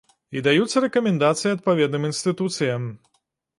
І даюцца рэкамендацыі адпаведным інстытуцыям.